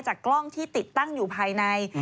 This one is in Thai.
กล้องที่ติดตั้งอยู่ภายใน